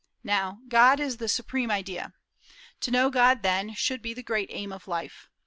Now, God is the supreme idea. To know God, then, should be the great aim of life.